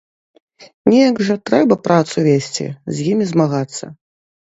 Неяк жа трэба працу весці, з імі змагацца.